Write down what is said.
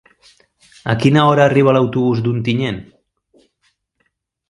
A quina hora arriba l'autobús d'Ontinyent?